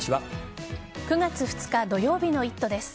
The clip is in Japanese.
９月２日土曜日の「イット！」です。